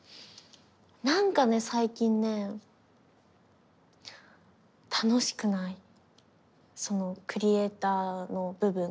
なんかね最近ねえ楽しくないそのクリエーターの部分が。